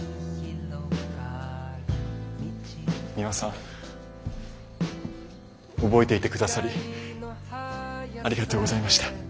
ミワさん覚えていて下さりありがとうございました。